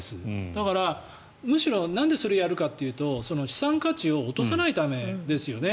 だから、むしろなんでそれをやるかというと資産価値を落とさないためですよね。